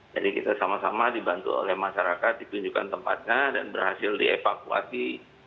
jadi kita sama sama dibantu oleh masyarakat dipunyukan tempatnya dan berhasil dievakuasi